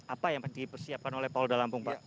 apa yang dipersiapkan oleh polda lampung pak